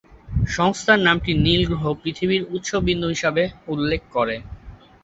সংস্থার নামটি নীল গ্রহ, পৃথিবীকে উৎস বিন্দু হিসাবে উল্লেখ করে।